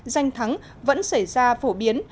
danh thắng vẫn xảy ra phổ biến